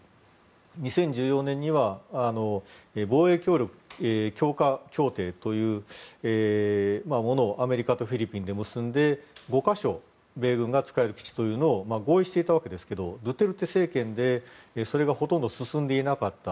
２０１４年には防衛協力強化協定というものをアメリカとフィリピンで結んで５か所米軍が使える基地というのを合意していたわけですがドゥテルテ政権でそれがほとんど進んでいなかった。